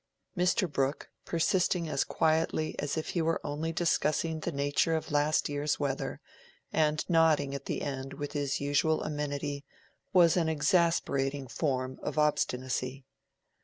Mr. Brooke, persisting as quietly as if he were only discussing the nature of last year's weather, and nodding at the end with his usual amenity, was an exasperating form of obstinacy.